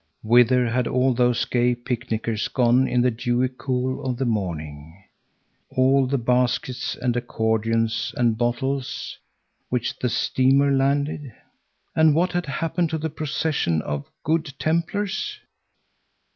Whither had all those gay picnickers gone in the dewy cool of the morning, all the baskets and accordions and bottles, which the steamer landed? And what had happened to the procession of Good Templars?